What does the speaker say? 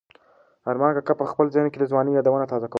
ارمان کاکا په خپل ذهن کې د ځوانۍ یادونه تازه کوله.